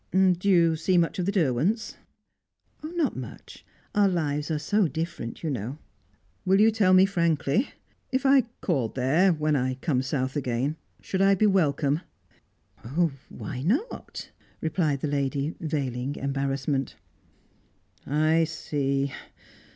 "Do you see much of the Derwents?" "Not much. Our lives are so different, you know." "Will you tell me frankly? If I called there when I come south again should I be welcome?" "Oh, why not?" replied the lady, veiling embarrassment. "I see."